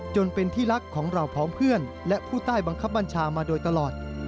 จนเป็นที่รักของเราพร้อมเพื่อนและผู้ใต้บังคับบัญชามาโดยตลอด